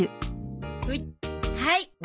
はい。